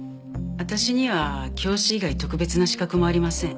私には教師以外特別な資格もありません。